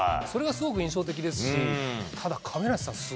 それがすごく印象的ですし亀梨さん